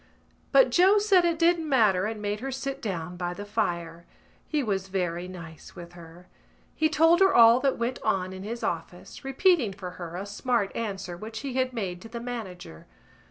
But Joe said it didn't matter and made her sit down by the fire. He was very nice with her. He told her all that went on in his office, repeating for her a smart answer which he had made to the manager.